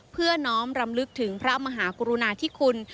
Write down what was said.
เพื่อน้อมรำลึกถึงพระมหากรุณาธิคุณ